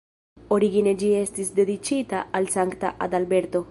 Origine ĝi estis dediĉita al Sankta Adalberto.